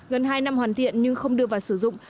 gần hai năm hoàn thiện nhưng không đưa vào sử dụng